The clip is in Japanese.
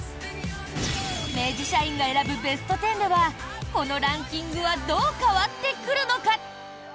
明治社員が選ぶベスト１０ではこのランキングはどう変わってくるのか？